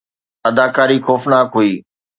اداڪاري خوفناڪ هئي